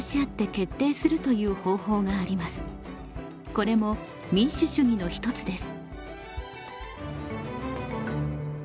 これも民主主義の一つです。